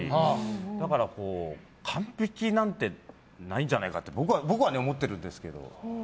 だから完璧なんてないんじゃないかって僕は思ってるんですけど。